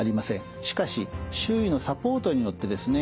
しかし周囲のサポートによってですね